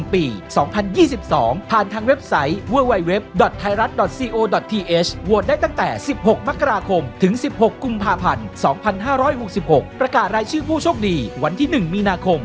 โปรดติดตามตอนต่อไป